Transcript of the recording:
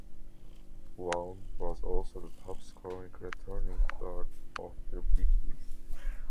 Vaughn was also the top scoring returning guard of the Big East.